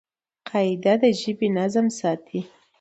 قاعده د ژبي نظم ساتي.